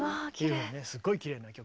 すごいきれいな曲。